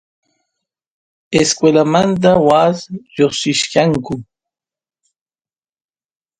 escuelamanta waas lloqsinachkanku